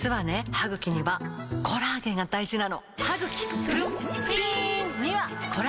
歯ぐきにはコラーゲンが大事なの！